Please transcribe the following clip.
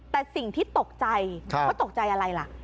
แต่สิ่งที่ตกใจเขาตกใจอะไรล่ะ